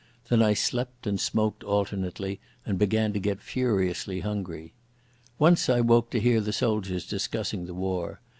Then I slept and smoked alternately, and began to get furiously hungry. Once I woke to hear the soldiers discussing the war.